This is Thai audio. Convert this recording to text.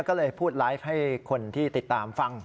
ก็เลยพูดไลฟ์ให้คนที่ติดตามฟัง